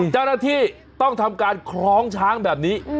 เจ้าหน้าที่ต้องทำการคล้องช้างแบบนี้